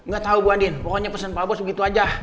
gak tau buandien pokoknya pesen pak bos begitu aja